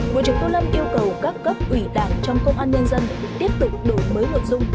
bộ trưởng tô lâm yêu cầu các cấp ủy đảng trong công an nhân dân tiếp tục đổi mới nội dung